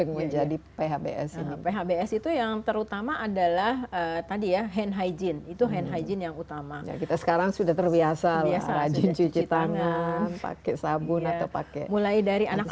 mulai dari anak anak ya